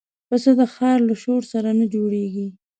پسه د ښار له شور سره نه جوړيږي.